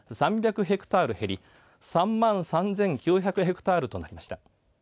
ヘクタール減り３万３９００ヘクタールとなりました。